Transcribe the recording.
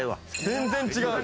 全然違う！